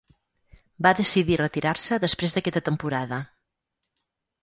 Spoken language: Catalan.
Va decidir retirar-se després d'aquesta temporada.